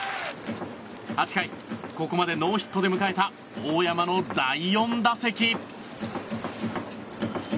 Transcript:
８回ここまでノーヒットで迎えた大山の第４打席。